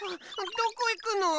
どこいくの？